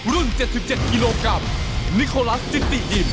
รุ่น๗๗กิโลกรัมนิโคลัสจิตติดิน